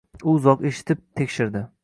U uzoq eshitib, tekshirdi